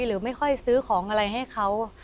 หรือไม่ค่อยซื้อของอะไรให้เขา